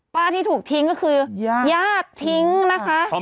ที่ถูกทิ้งก็คือญาติทิ้งนะคะ